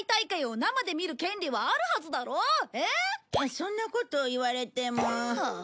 そんなこと言われても。